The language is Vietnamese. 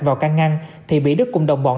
vào căn ngăn thì bị đức cùng đồng bọn